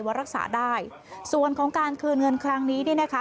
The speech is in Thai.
รักษาได้ส่วนของการคืนเงินครั้งนี้เนี่ยนะคะ